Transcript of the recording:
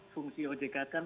fungsi ojk kan mengatakan